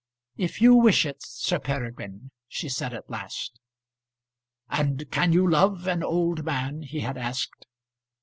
"If you wish it, Sir Peregrine," she said at last. "And can you love an old man?" he had asked.